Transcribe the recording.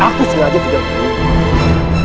aku sengaja tidak lakukan ini